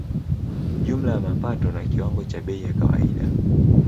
Jumla ya mapato na kiwango cha bei ya kawaida